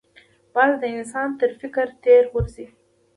باز د انسان تر فکر تېز غورځي